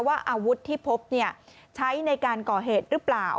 อาวุธที่พบใช้ในการก่อเหตุหรือเปล่า